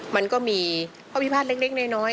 มันก็มีข้อพิพาทเล็กน้อย